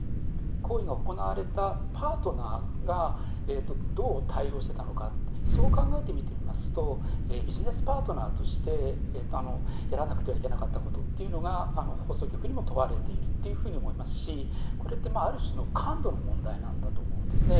行為が行われたパートナーがどう対応していたのかってそう考えて見てみますとビジネスパートナーとしてやらなくてはいけなかったことというのが放送局にも問われているというふうに思いますしこれって、ある種の感度の問題なんだと思うんですね。